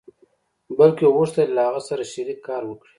بلکې غوښتل يې له هغه سره شريک کار وکړي.